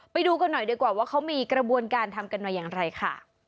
ไปดูกันหน่อยดีกว่าว่าเขามีกระบวนการทำกันมาอย่างไรค่ะ